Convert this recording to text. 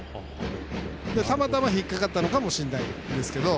たまたま引っ掛かったのかも分からないですけど。